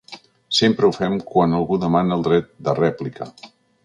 Sempre ho fem quan algú demana el dret de rèplica.